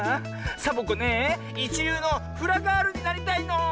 サボ子ねえいちりゅうのフラガールになりたいの！